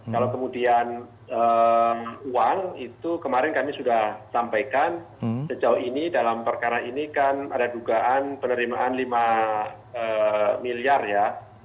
kalau kemudian uang itu kemarin kami sudah sampaikan sejauh ini dalam perkara ini kan ada dugaan penerimaan lima miliar ya